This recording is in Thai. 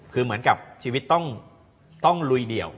คือเหมือนกับชีวิตต้องลุยเดี่ยว